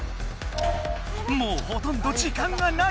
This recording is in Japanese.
もうほとんど時間がない。